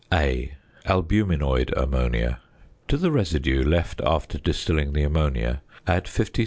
A. Albuminoid Ammonia. To the residue left after distilling the ammonia add 50 c.